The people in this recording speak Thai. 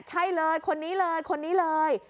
ใช่เลยคนนี้เลยคนนี้เลย